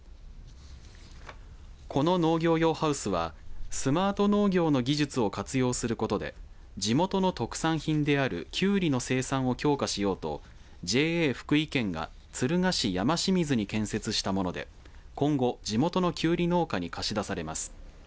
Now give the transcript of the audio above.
この農業用ハウスはスマート農業の技術を活用することで地元の特産品であるきゅうりの生産を強化しようとＪＡ福井県が敦賀市山泉に建設したもので今後、地元のきゅうり農家に貸し出されます。